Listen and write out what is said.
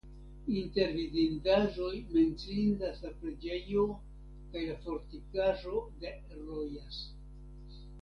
Inter vidindaĵoj menciindas la preĝejo kaj la fortikaĵo de Rojas.